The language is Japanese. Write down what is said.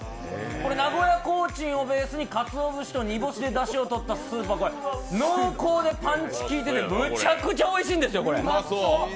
名古屋コーチンをベースにかつお節と煮干しでとったスープ濃厚でパンチきいてて、これめちゃくちゃおいしいんですよ。